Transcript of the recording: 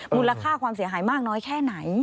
มูลค่าความเสียหายมากน้อยแค่ไหน